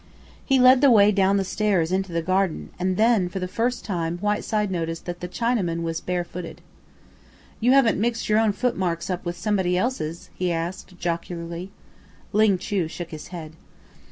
He led the way down the stairs into the garden, and then for the first time Whiteside noticed that the Chinaman was bare footed. "You haven't mixed your own footmarks up with somebody else's?" he asked jocularly. Ling Chu shook his head.